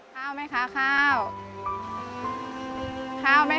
ข้าวไหมคะข้าว